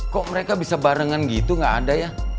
kok mereka bisa barengan gitu gak ada ya